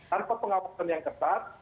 tanpa pengawasan yang ketat